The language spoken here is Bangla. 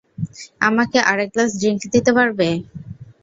আমাকে আরেক গ্লাস ড্রিংক দিতে পারবে?